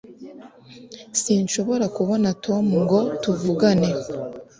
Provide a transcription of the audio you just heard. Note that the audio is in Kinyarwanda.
sinshobora kubona tom ngo tuvugane